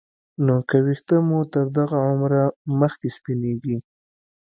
نو که ویښته مو تر دغه عمره مخکې سپینېږي